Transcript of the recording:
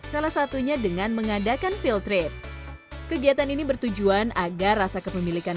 salah satunya dengan mengadakan field trip kegiatan ini bertujuan agar rasa kepemilikan